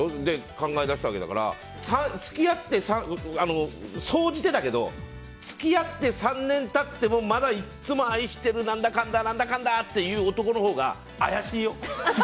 考え出したわけだから総じてだけど付き合って３年経ってもまだいつも愛してる何だかんだ、何だかんだって言う男のほうが怪しいよ。